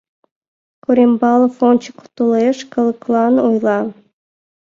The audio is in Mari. Корембалов ончык толеш, калыклан ойла.